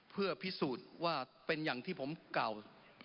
เพื่อพิสูจน์ว่าเป็นอย่างที่ผมกล่าว